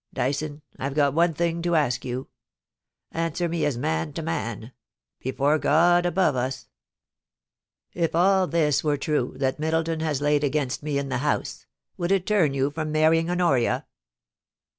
Dyson, I've got one thing to ask you. Answer me as man to man — before God above us. If all this were true that Middleton has laid against me in the House, would it turn you from marrying Honoria